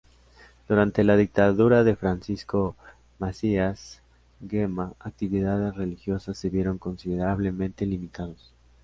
Durante la dictadura de Francisco Macías Nguema actividades religiosas se vieron considerablemente limitados.